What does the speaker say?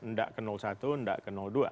nggak ke satu nggak ke dua